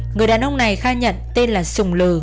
người đàn ông này khai nhận tên là sùng lừ